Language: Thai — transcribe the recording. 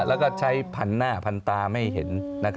แล้วก็ใช้พันธุ์หน้าพันธุ์ตามให้เห็น